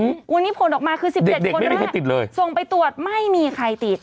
วันนี้ผลออกมาคือสิบเด็กเด็กไม่มีใครติดเลยส่งไปตรวจไม่มีใครติด